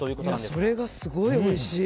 それがすごいおいしい。